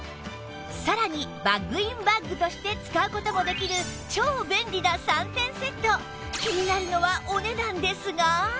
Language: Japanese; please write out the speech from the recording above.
さらにバッグインバッグとして使う事もできる超便利な３点セット気になるのはお値段ですが